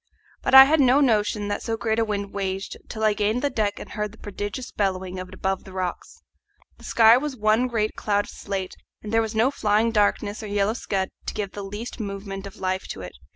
But I had no notion that so great a wind raged till I gained the deck and heard the prodigious bellowing of it above the rocks. The sky was one great cloud of slate, and there was no flying darkness or yellow scud to give the least movement of life to it.